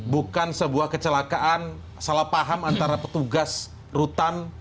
bukan sebuah kecelakaan salah paham antara petugas rutan